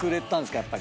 やっぱり。